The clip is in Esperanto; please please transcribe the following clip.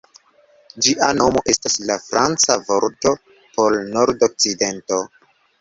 Ĝia nomo estas la franca vorto por "nord-okcidento".